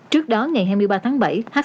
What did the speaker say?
trước đó ngày hai mươi ba tháng bảy